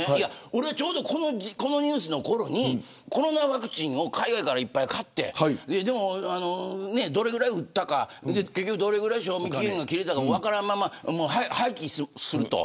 俺ちょうどこのニュースのころにコロナワクチンを海外からいっぱい買ってどれぐらい打ったかどれぐらい消費期限が切れたのか分からないまま廃棄すると。